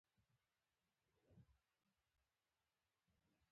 داسې کس به پيدا نه کړې چې له چا سره يې بدي نه وي.